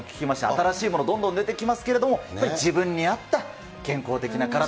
新しいものどんどん出てきますけれども、やっぱり自分に合った健康的な体。